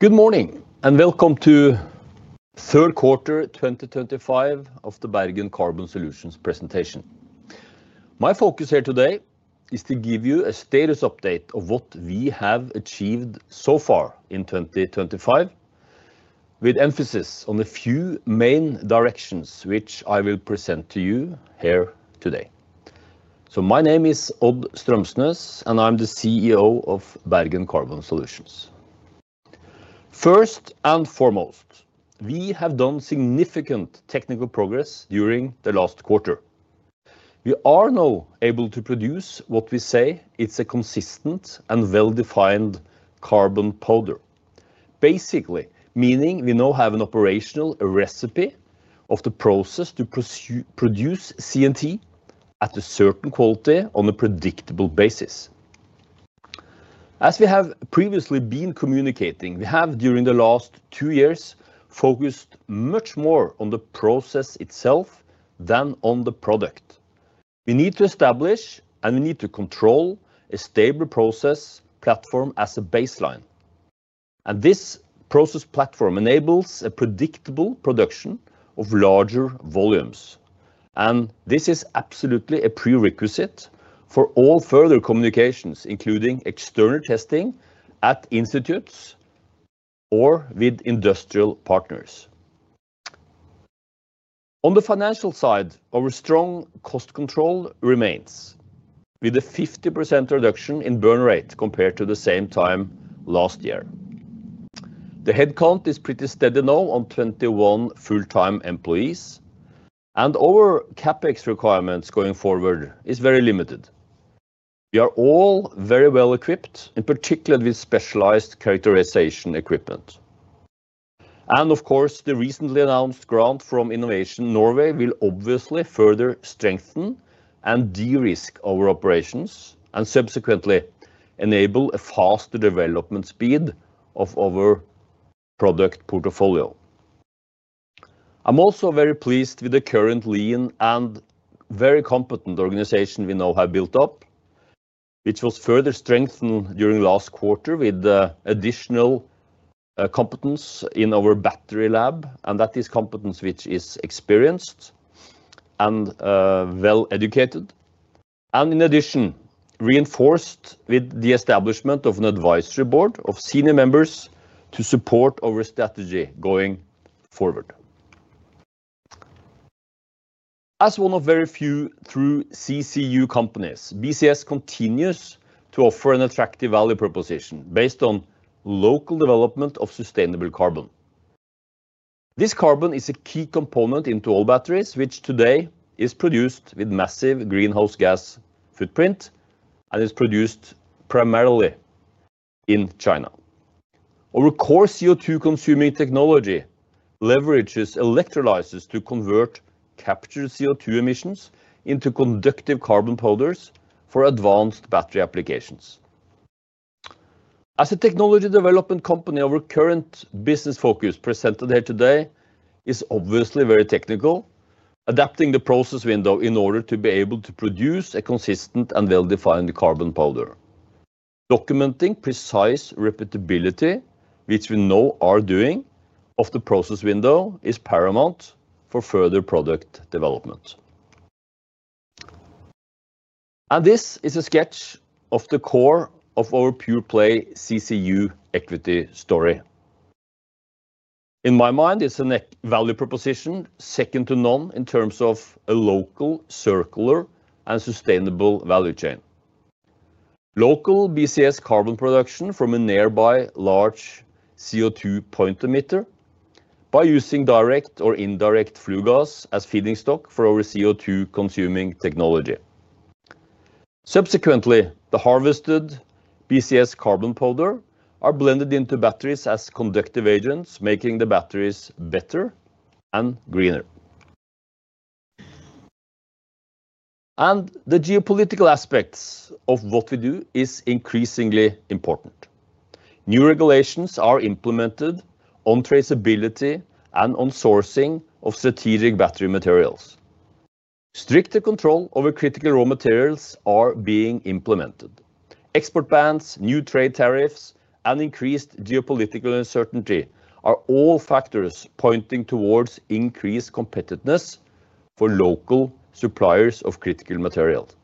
Good morning, and welcome to third quarter 2025 of the Bergen Carbon Solutions presentation. My focus here today is to give you a status update of what we have achieved so far in 2025, with emphasis on a few main directions which I will present to you here today. My name is Odd Strømsnes, and I'm the CEO of Bergen Carbon Solutions. First and foremost, we have done significant technical progress during the last quarter. We are now able to produce what we say is a consistent and well-defined carbon powder. Basically, meaning we now have an operational recipe of the process to produce CNT at a certain quality on a predictable basis. As we have previously been communicating, we have during the last two years focused much more on the process itself than on the product. We need to establish, and we need to control a stable process platform as a baseline. This process platform enables a predictable production of larger volumes. This is absolutely a prerequisite for all further communications, including external testing at institutes or with industrial partners. On the financial side, our strong cost control remains with a 50% reduction in burn rate compared to the same time last year. The headcount is pretty steady now on 21 full-time employees, and our CapEx requirements going forward are very limited. We are all very well equipped, in particular with specialized characterization equipment. The recently announced grant from Innovation Norway will obviously further strengthen and de-risk our operations and subsequently enable a faster development speed of our product portfolio. I'm also very pleased with the current lean and very competent organization we now have built up. Which was further strengthened during last quarter with the additional competence in our battery lab, and that is competence which is experienced and well-educated. In addition, reinforced with the establishment of an advisory board of senior members to support our strategy going forward. As one of very few true CCU companies, BCS continues to offer an attractive value proposition based on local development of sustainable carbon. This carbon is a key component in all batteries, which today is produced with a massive greenhouse gas footprint and is produced primarily in China. Our core CO2 consuming technology leverages electrolysis to convert captured CO2 emissions into conductive carbon powders for advanced battery applications. As a technology development company, our current business focus presented here today is obviously very technical, adapting the process window in order to be able to produce a consistent and well-defined carbon powder. Documenting precise repeatability, which we know we are doing of the process window, is paramount for further product development. This is a sketch of the core of our Pure-Play CCU equity story. In my mind, it is a net value proposition second to none in terms of a local circular and sustainable value chain. Local BCS carbon production from a nearby large CO2 point emitter by using direct or indirect flue gas as feeding stock for our CO2 consuming technology. Subsequently, the harvested BCS carbon powder is blended into batteries as conductive agents, making the batteries better and greener. The geopolitical aspects of what we do are increasingly important. New regulations are implemented on traceability and on sourcing of strategic battery materials. Strict control over critical raw materials is being implemented. Export bans, new trade tariffs, and increased geopolitical uncertainty are all factors pointing towards increased competitiveness for local suppliers of critical materials.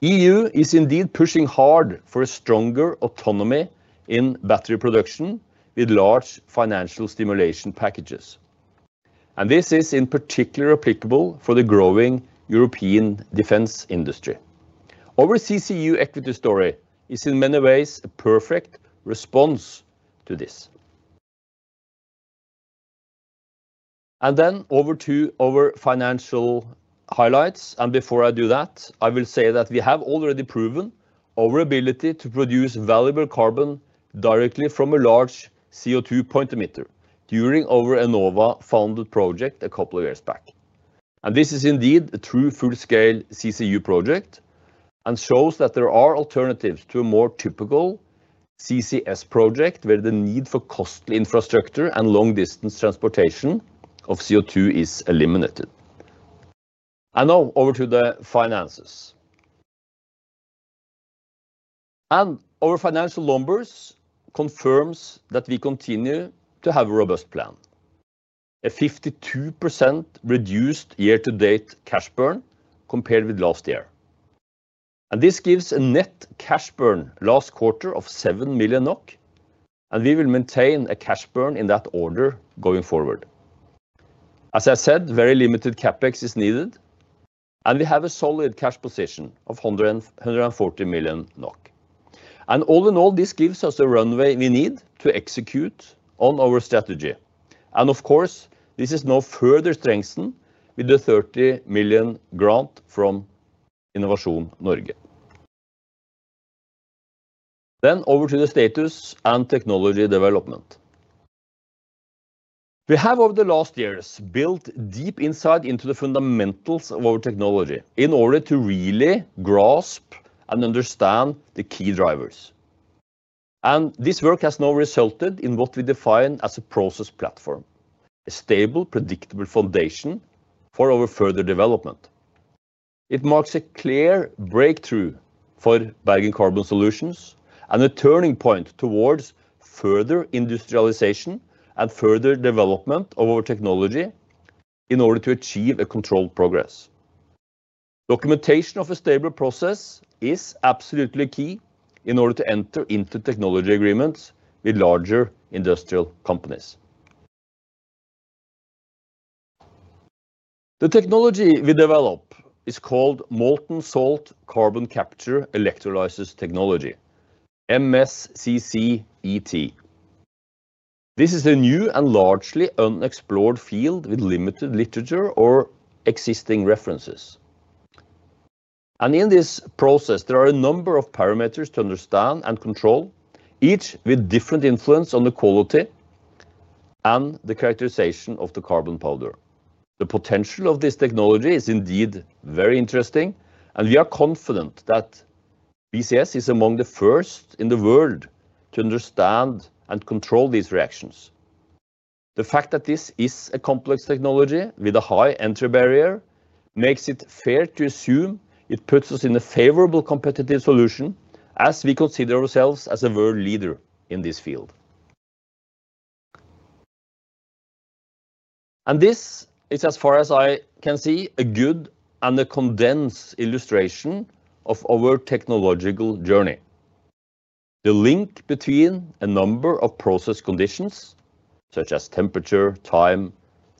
The EU is indeed pushing hard for stronger autonomy in battery production with large financial stimulation packages. This is in particular applicable for the growing European defense industry. Our CCU equity story is in many ways a perfect response to this. Over to our financial highlights. Before I do that, I will say that we have already proven our ability to produce valuable carbon directly from a large CO2 point emitter during our Innovation Norway funded project a couple of years back. This is indeed a true full-scale CCU project and shows that there are alternatives to a more typical CCS project where the need for costly infrastructure and long-distance transportation of CO2 is eliminated. Now over to the finances. Our financial numbers confirm that we continue to have a robust plan. A 52% reduced year-to-date cash burn compared with last year. This gives a net cash burn last quarter of 7 million NOK, and we will maintain a cash burn in that order going forward. As I said, very limited CapEx is needed, and we have a solid cash position of 140 million NOK. All in all, this gives us the runway we need to execute on our strategy. Of course, this is now further strengthened with the 30 million grant from Innovation Norway. Over to the status and technology development. We have, over the last years, built deep insight into the fundamentals of our technology in order to really grasp and understand the key drivers. This work has now resulted in what we define as a process platform, a stable, predictable foundation for our further development. It marks a clear breakthrough for Bergen Carbon Solutions and a turning point towards further industrialization and further development of our technology in order to achieve a controlled progress. Documentation of a stable process is absolutely key in order to enter into technology agreements with larger industrial companies. The technology we develop is called Molten Salt Carbon Capture Electrolysis Technology, MSCCET. This is a new and largely unexplored field with limited literature or existing references. In this process, there are a number of parameters to understand and control, each with different influence on the quality and the characterization of the carbon powder. The potential of this technology is indeed very interesting, and we are confident that BCS is among the first in the world to understand and control these reactions. The fact that this is a complex technology with a high entry barrier makes it fair to assume it puts us in a favorable competitive position as we consider ourselves as a world leader in this field. This is, as far as I can see, a good and a condensed illustration of our technological journey. The link between a number of process conditions, such as temperature, time,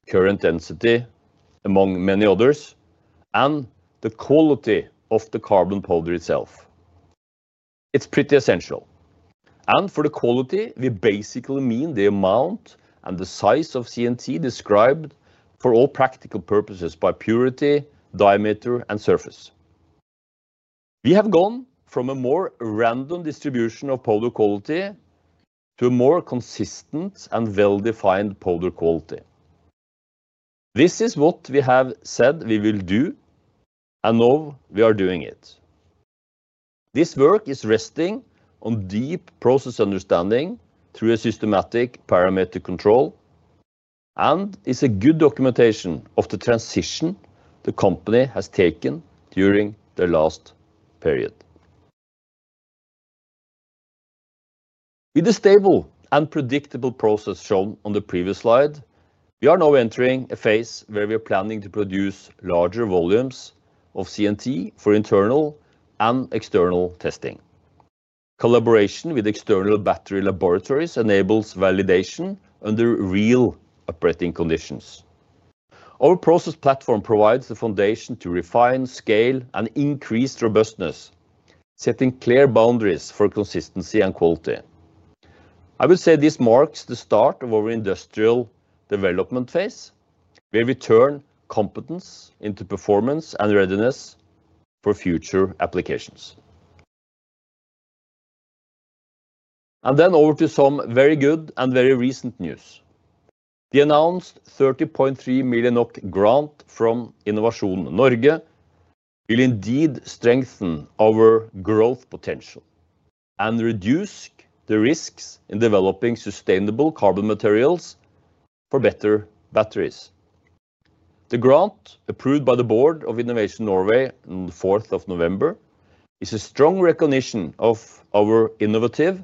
current density, among many others, and the quality of the carbon powder itself. It's pretty essential. For the quality, we basically mean the amount and the size of CNT described for all practical purposes by purity, diameter, and surface. We have gone from a more random distribution of powder quality to a more consistent and well-defined powder quality. This is what we have said we will do. We are now doing it. This work is resting on deep process understanding through systematic parameter control. It is a good documentation of the transition the company has taken during the last period. With the stable and predictable process shown on the previous slide, we are now entering a phase where we are planning to produce larger volumes of CNT for internal and external testing. Collaboration with external battery laboratories enables validation under real operating conditions. Our process platform provides the foundation to refine, scale, and increase robustness, setting clear boundaries for consistency and quality. I would say this marks the start of our industrial development phase where we turn competence into performance and readiness for future applications. Over to some very good and very recent news. The announced 30.3 million NOK grant from Innovation Norway will indeed strengthen our growth potential. We reduce the risks in developing sustainable carbon materials for better batteries. The grant, approved by the Board of Innovation Norway on the 4th of November, is a strong recognition of our innovative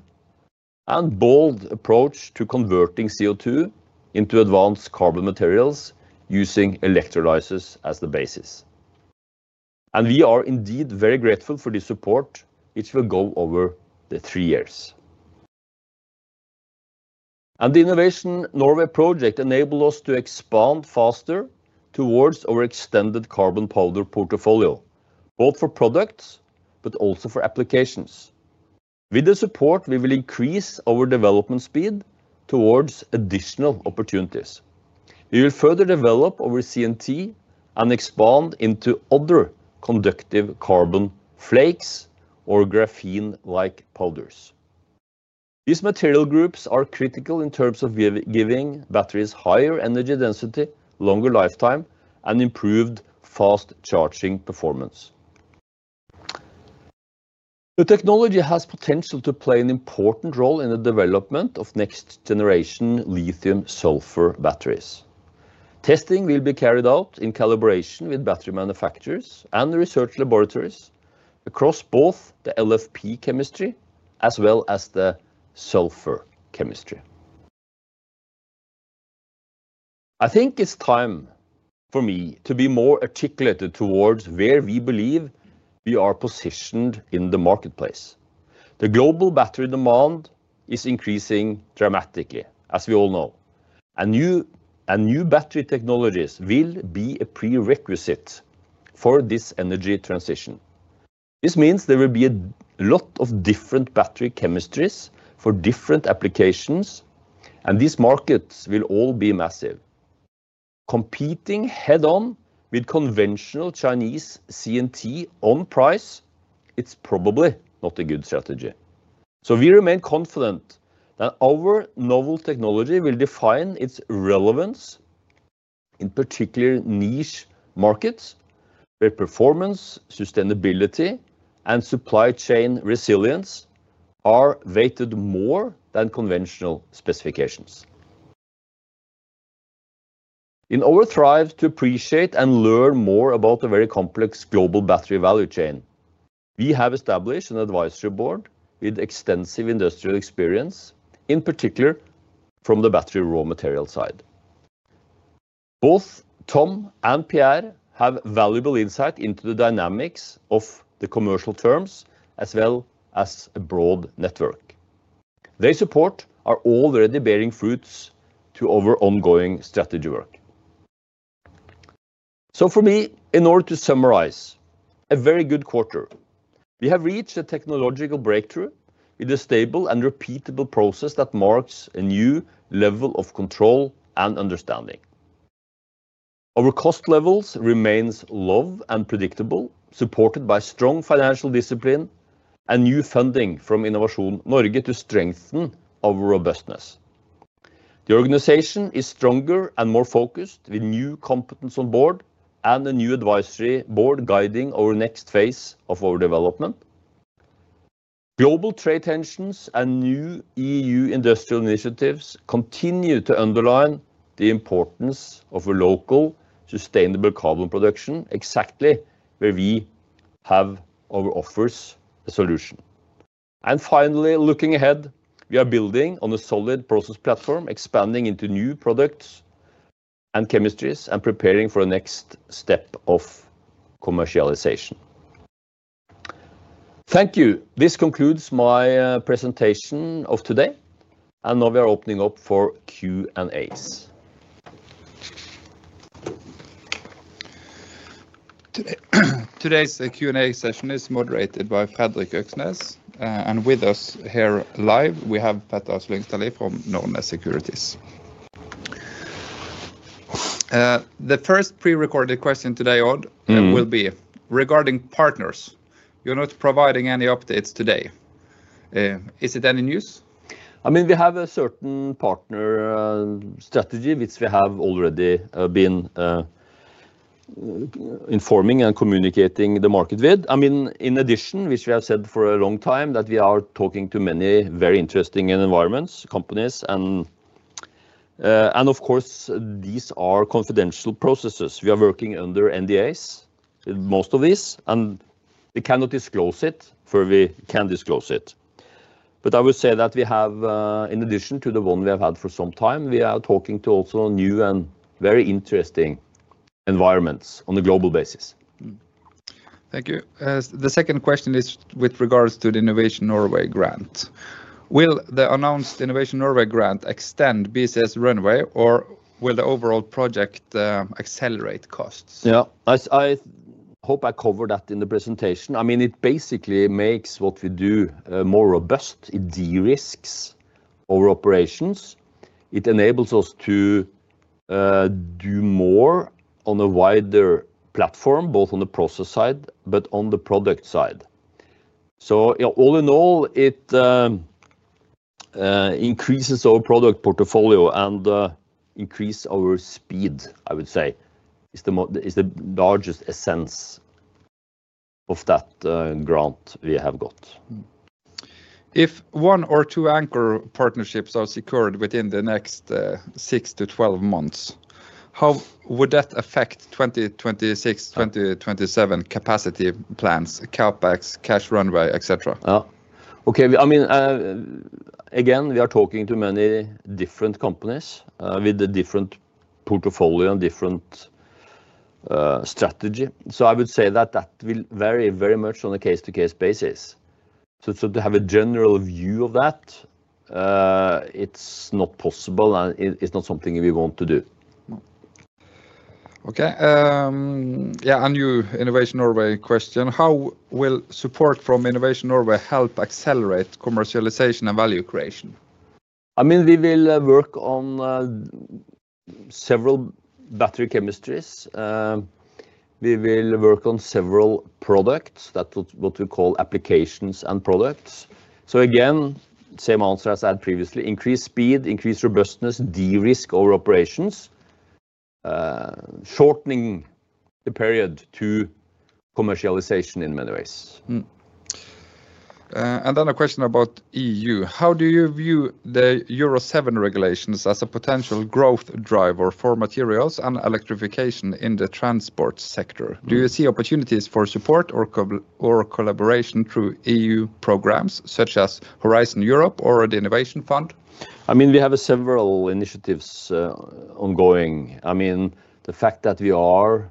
and bold approach to converting CO2 into advanced carbon materials using electrolysis as the basis. We are indeed very grateful for the support, which will go over the three years. The Innovation Norway project enabled us to expand faster towards our extended carbon powder portfolio, both for products but also for applications. With the support, we will increase our development speed towards additional opportunities. We will further develop our CNT and expand into other conductive carbon flakes or graphene-like powders. These material groups are critical in terms of giving batteries higher energy density, longer lifetime, and improved fast charging performance. The technology has potential to play an important role in the development of next-generation lithium-sulfur batteries. Testing will be carried out in collaboration with battery manufacturers and research laboratories across both the LFP chemistry as well as the sulfur chemistry. I think it's time for me to be more articulated towards where we believe we are positioned in the marketplace. The global battery demand is increasing dramatically, as we all know, and new battery technologies will be a prerequisite for this energy transition. This means there will be a lot of different battery chemistries for different applications, and these markets will all be massive. Competing head-on with conventional Chinese CNT on price is probably not a good strategy. We remain confident that our novel technology will define its relevance, in particular niche markets where performance, sustainability, and supply chain resilience are weighted more than conventional specifications. In our thrive to appreciate and learn more about the very complex global battery value chain, we have established an advisory board with extensive industrial experience, in particular from the battery raw material side. Both Tom and Pierre have valuable insight into the dynamics of the commercial terms as well as a broad network. Their support is already bearing fruits to our ongoing strategy work. For me, in order to summarize a very good quarter, we have reached a technological breakthrough with a stable and repeatable process that marks a new level of control and understanding. Our cost levels remain low and predictable, supported by strong financial discipline and new funding from Innovation Norway to strengthen our robustness. The organization is stronger and more focused with new competence on board and a new advisory board guiding our next phase of our development. Global trade tensions and new EU industrial initiatives continue to underline the importance of a local, sustainable carbon production exactly where we have our offers solution. Finally, looking ahead, we are building on a solid process platform, expanding into new products and chemistries, and preparing for the next step of commercialization. Thank you. This concludes my presentation of today, and now we are opening up for Q&As. Today's Q&A session is moderated by Fredrik Øksnes, and with us here live, we have Petar Sveinsdal from NorNest Securities. The first pre-recorded question today, Odd, will be regarding partners. You're not providing any updates today. Is it any news? I mean, we have a certain partner strategy which we have already been informing and communicating the market with. I mean, in addition, which we have said for a long time, that we are talking to many very interesting environments, companies, and of course, these are confidential processes. We are working under NDAs with most of these, and we cannot disclose it before we can disclose it. But I would say that we have, in addition to the one we have had for some time, we are talking to also new and very interesting environments on a global basis. Thank you. The second question is with regards to the Innovation Norway grant. Will the announced Innovation Norway grant extend BCS runway, or will the overall project accelerate costs? Yeah, I hope I covered that in the presentation. I mean, it basically makes what we do more robust. It de-risks our operations. It enables us to do more on a wider platform, both on the process side but on the product side. So all in all, it increases our product portfolio and increases our speed, I would say, is the largest essence of that grant we have got. If one or two anchor partnerships are secured within the next 6-12 months, how would that affect 2026-2027 capacity plans, CapEx, cash runway, etc.? Yeah, okay, I mean. Again, we are talking to many different companies with a different portfolio and different strategy. I would say that that will vary very much on a case-to-case basis. To have a general view of that, it's not possible and it's not something we want to do. Okay. Yeah, and your Innovation Norway question, how will support from Innovation Norway help accelerate commercialization and value creation? I mean, we will work on several battery chemistries. We will work on several products, that's what we call applications and products. Again, same answer as I had previously, increased speed, increased robustness, de-risk our operations. Shortening the period to commercialization in many ways. A question about EU. How do you view the Euro 7 regulations as a potential growth driver for materials and electrification in the transport sector? Do you see opportunities for support or collaboration through EU programs such as Horizon Europe or the Innovation Fund? I mean, we have several initiatives ongoing. I mean, the fact that we are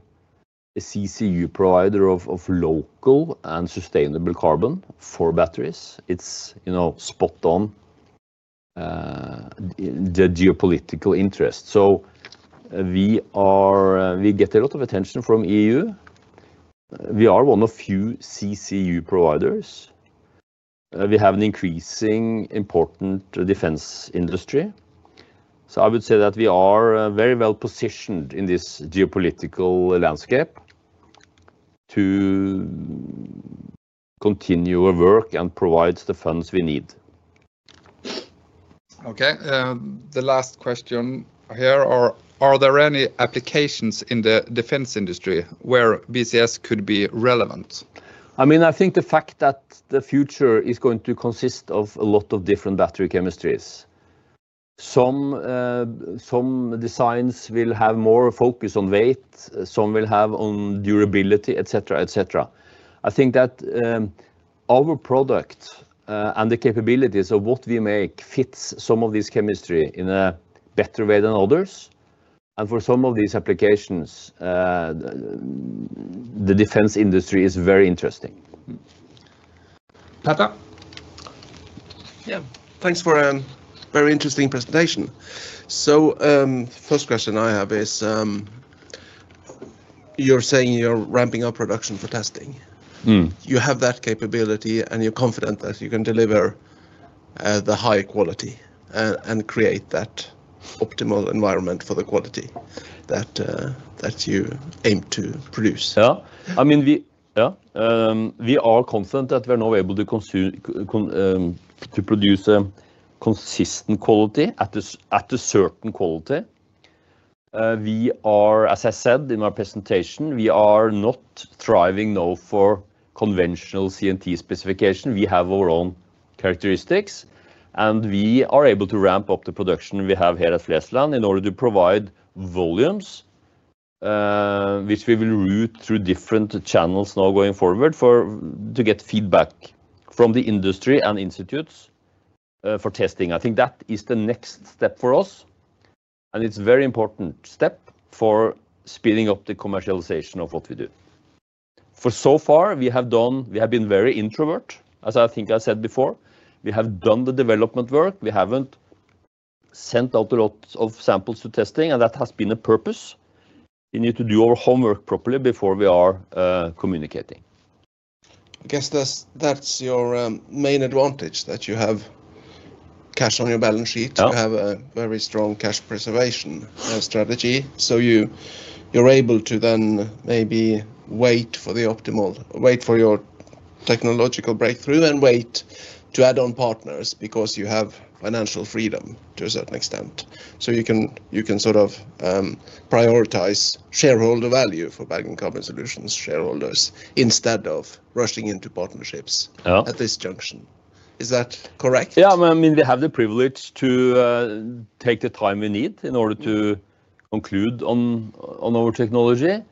a CCU provider of local and sustainable carbon for batteries, it's spot on. The geopolitical interest. We get a lot of attention from EU. We are one of few CCU providers. We have an increasingly important defense industry. I would say that we are very well positioned in this geopolitical landscape to continue our work and provide the funds we need. Okay, the last question here is, are there any applications in the defense industry where BCS could be relevant? I mean, I think the fact that the future is going to consist of a lot of different battery chemistries. Some designs will have more focus on weight, some will have on durability, etc., etc. I think that our product and the capabilities of what we make fits some of these chemistries in a better way than others. For some of these applications, the defense industry is very interesting. Petter? Yeah, thanks for a very interesting presentation. First question I have is, you're saying you're ramping up production for testing. You have that capability and you're confident that you can deliver the high quality and create that optimal environment for the quality that you aim to produce. Yeah, I mean, we are confident that we're now able to produce consistent quality at a certain quality. We are, as I said in my presentation, we are not striving now for conventional CNT specification. We have our own characteristics and we are able to ramp up the production we have here at Flesland in order to provide volumes, which we will route through different channels now going forward to get feedback from the industry and institutes for testing. I think that is the next step for us. It is a very important step for speeding up the commercialization of what we do. So far, we have been very introvert. As I think I said before, we have done the development work. We have not sent out a lot of samples to testing, and that has been a purpose. We need to do our homework properly before we are communicating. I guess that is your main advantage, that you have cash on your balance sheet. You have a very strong cash preservation strategy. So you're able to then maybe wait for the optimal, wait for your technological breakthrough and wait to add on partners because you have financial freedom to a certain extent. So you can sort of prioritize shareholder value for Bergen Carbon Solutions shareholders instead of rushing into partnerships at this junction. Is that correct? Yeah, I mean, we have the privilege to take the time we need in order to conclude on our technology.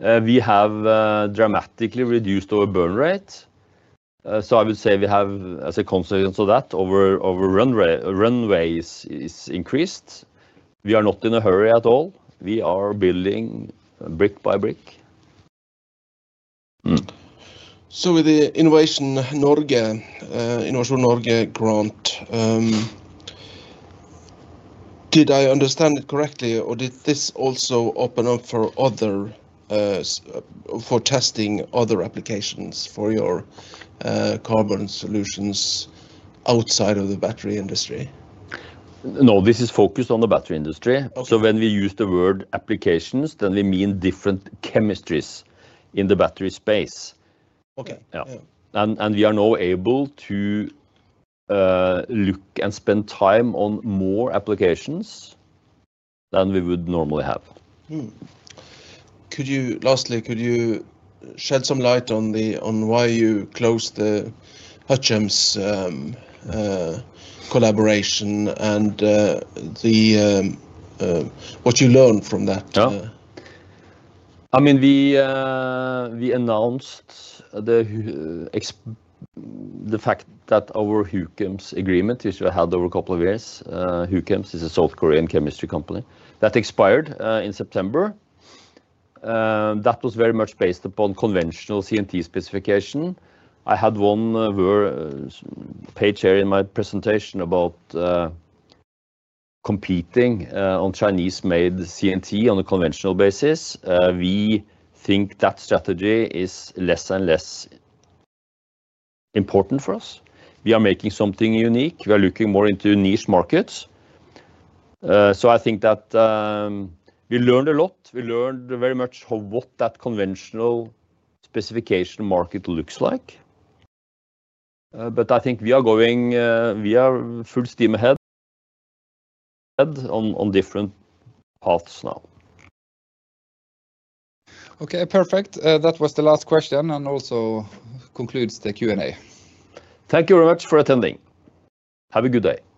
We have dramatically reduced our burn rate. So I would say we have, as a consequence of that, our runway is increased. We are not in a hurry at all. We are building brick by brick. So with the Innovation Norway grant. Did I understand it correctly, or did this also open up for other testing other applications for your carbon solutions outside of the battery industry? No, this is focused on the battery industry. When we use the word applications, we mean different chemistries in the battery space. Okay. Yeah. We are now able to look and spend time on more applications than we would normally have. Could you, lastly, shed some light on why you closed the Hwachems collaboration and what you learned from that? I mean, we announced the fact that our Hwachems agreement, which we had over a couple of years—Hwachems is a South Korean chemistry company—that expired in September. That was very much based upon conventional CNT specification. I had one page here in my presentation about competing on Chinese-made CNT on a conventional basis. We think that strategy is less and less important for us. We are making something unique. We are looking more into niche markets. I think that. We learned a lot. We learned very much what that conventional specification market looks like. I think we are going full steam ahead on different paths now. Okay, perfect. That was the last question and also concludes the Q&A. Thank you very much for attending. Have a good day.